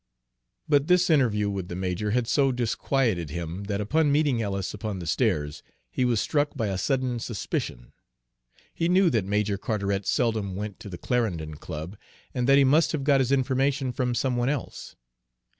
But this interview with the major had so disquieted him that upon meeting Ellis upon the stairs he was struck by a sudden suspicion. He knew that Major Carteret seldom went to the Clarendon Club, and that he must have got his information from some one else.